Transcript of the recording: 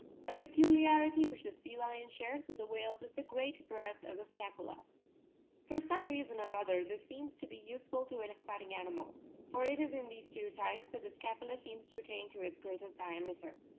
A peculiarity which the sea lion shares with the whales is the great breadth of the scapula ; for some reason or other this seems to be useful to an aquatic animal, for it is in these two types that the scapula seems to attain to its greatest diameter.